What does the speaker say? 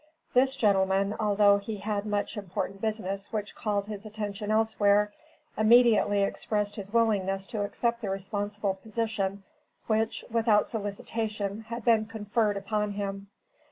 This gentleman, although he had much important business which called his attention elsewhere, immediately expressed his willingness to accept the responsible position which, without solicitation, had been conferred upon him.